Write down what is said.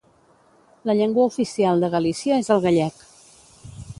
La llengua oficial de Galícia és el gallec.